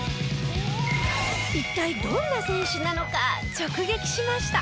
一体どんな選手なのか直撃しました！